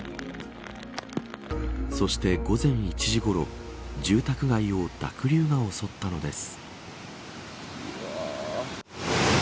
そして、午前１時ごろ住宅街を濁流が襲ったのです。